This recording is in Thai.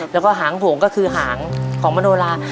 แล้วก็หางโผงก็คือหางของมโนลา